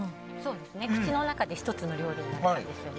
口の中で１つの料理になる感じですね。